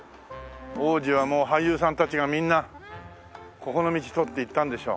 当時はもう俳優さんたちがみんなここの道通って行ったんでしょう。